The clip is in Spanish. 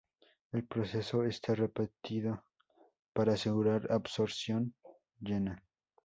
El proceso está repetido para asegurar absorción llena.